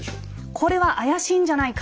これは怪しいんじゃないか！